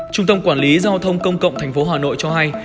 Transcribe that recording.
trung tâm quản lý giao thông công cộng tp hà nội cho hay